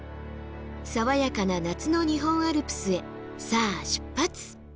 爽やかな夏の日本アルプスへさあ出発！